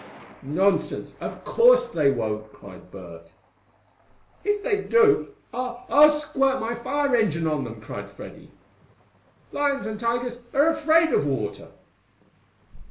"Nonsense! Of course they won't!" cried Bert. "If they do, I I'll squirt my fire engine on them!" cried Freddie. "Lions and tigers are afraid of water."